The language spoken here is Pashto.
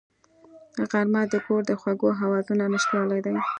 غرمه د کور د خوږو آوازونو نشتوالی دی